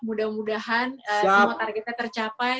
mudah mudahan semua targetnya tercapai